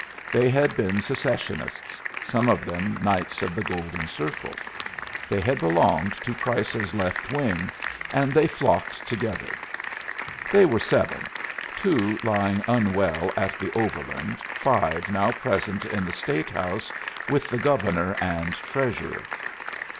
They had been Secessionists, some of them Knights of the Golden Circle; they had belonged to Price's Left Wing, and they flocked together. They were seven two lying unwell at the Overland, five now present in the State House with the Governor and Treasurer.